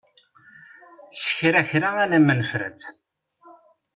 S kra kra alamma nefra-tt.